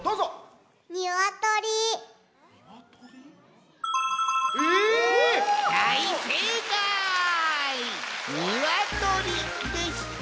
ニワトリでした。